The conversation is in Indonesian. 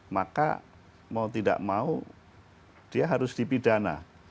maka mau tidak mau dia harus dipidana